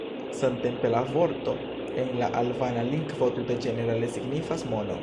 Samtempe la vorto en la albana lingvo tute ĝenerale signifas "mono".